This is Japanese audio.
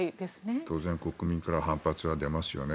当然、国民から反発は出ますよね。